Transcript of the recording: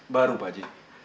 baru pak haji